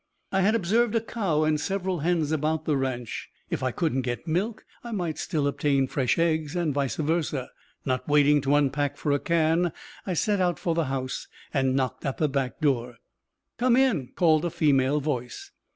I had observed a cow and several hens about the ranch. If I couldn't get milk, I might still obtain fresh eggs, and vice versa. Not waiting to unpack for a can, I set out for the house and knocked at the back door. "Come in," called a female voice.